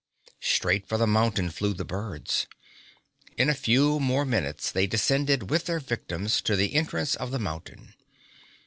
Straight for the mountain flew the birds. In a few more minutes they descended with their victims to the entrance of the mountain.